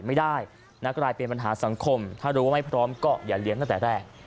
ไม่ได้นะกลายเป็นปัญหาสังคมถ้ารู้ว่าไม่พร้อมก็อย่าเลี้ยงตั้งแต่แรก